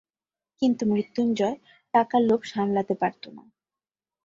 কিন্তু, মৃত্যুঞ্জয় টাকার লোভ সামলাতে পারত না।